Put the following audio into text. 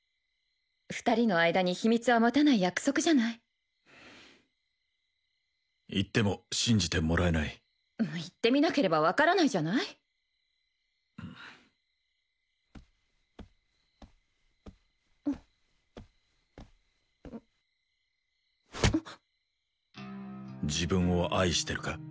２人の間に秘密は持たない約束じゃない言っても信じてもらえない言ってみなければ分からないじゃない自分を愛してるか？